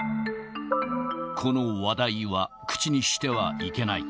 この話題は口にしてはいけない。